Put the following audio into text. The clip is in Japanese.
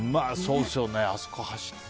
あそこ走って。